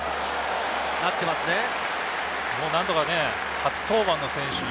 なっていますね。